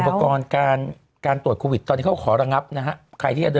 แล้วก็อุปกรณ์การตรวจโควิดตอนนี้เขาขอระงับนะครับ